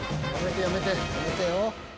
やめてやめてよ。